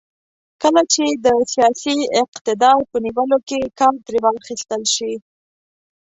کله چې د سیاسي اقتدار په نیولو کې کار ترې واخیستل شي.